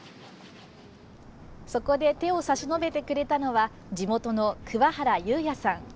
そこで手を差し伸べてくれたのは地元の桑原裕弥さん。